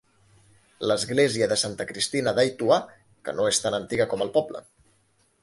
L'església de Santa Cristina d'Aituà, que no és tan antiga com el poble.